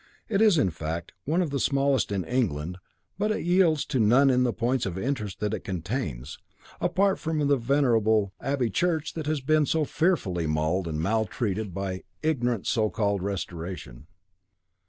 It is, in fact, one of the smallest in England, but it yields to none in the points of interest that it contains, apart from the venerable abbey church that has been so fearfully mauled and maltreated by ignorant so called restoration.